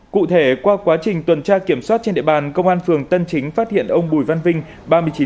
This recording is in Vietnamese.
cụ thể qua quá trình tuần tra kiểm soát trên địa bàn công an phường tân chính phát hiện ông bùi văn vinh